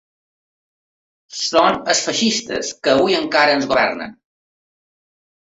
Són els feixistes que avui encara ens governen.